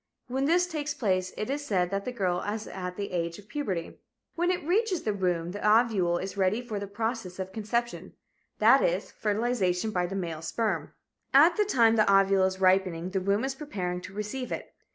When this takes place, it is said that the girl is at the age of puberty. When it reaches the womb the ovule is ready for the process of conception that is, fertilization by the male sperm. At the time the ovule is ripening, the womb is preparing to receive it.